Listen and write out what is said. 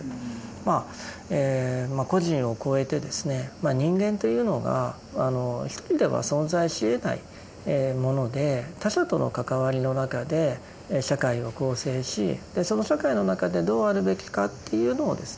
まあ個人を超えてですね人間というのが一人では存在しえないもので他者との関わりの中で社会を構成しその社会の中でどうあるべきかっていうのをですね